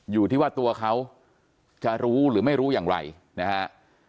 อยู่ที่ว่าตัวเขาจะรู้หรือไม่รู้อย่างไรนะฮะ